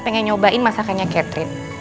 pengen nyobain masakannya catherine